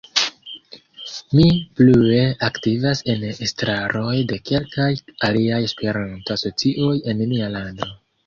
Mi plue aktivas en la estraroj de kelkaj aliaj Esperanto asocioj en mia lando.